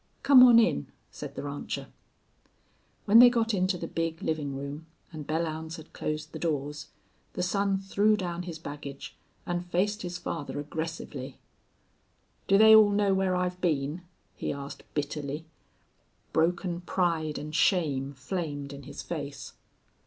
"Come on in," said the rancher. When they got into the big living room, and Belllounds had closed the doors, the son threw down his baggage and faced his father aggressively. "Do they all know where I've been?" he asked, bitterly. Broken pride and shame flamed in his face.